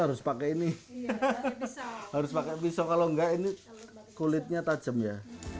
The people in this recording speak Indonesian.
harus pakai ini harus pakai pisau kalau enggak ini kulitnya tajam ya